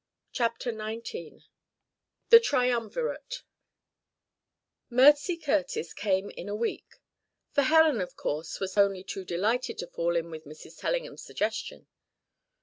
CHAPTER XIX THE TRIUMVIRATE Mercy Curtis came in a week. For Helen of course was only too delighted to fall in with Mrs. Tellingham's suggestion.